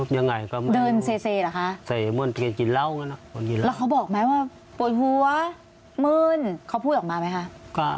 เซวนามรุดที่กินเหล้าแล้วเขาบอกไหมว่าโปรดหัวมื่นเขาพูดออกมาไหมค่ะ